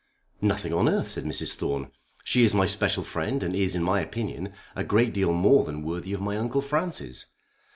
"Nothing on earth," said Mrs. Thorne. "She is my special friend and is in my opinion a great deal more than worthy of my uncle Francis.